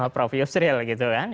prof yusril gitu kan